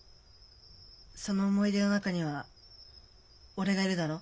その思い出の中には俺がいるだろ？